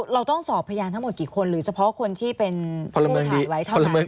เราต้องสอบพยานทั้งหมดกี่คนหรือเฉพาะคนที่เป็นผู้ถ่ายไว้เท่านั้น